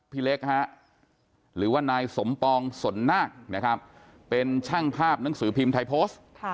พี่เล็กฮะหรือว่านายสมปองสนนาคนะครับเป็นช่างภาพหนังสือพิมพ์ไทยโพสต์